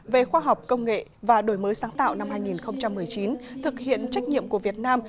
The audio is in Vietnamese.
về khoa học công nghệ và đổi mới sáng tạo năm hai nghìn một mươi chín thực hiện trách nhiệm của việt nam